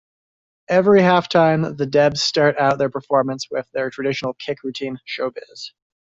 Every halftime, the Debs start out their performance with their traditional kick routine, "Showbiz".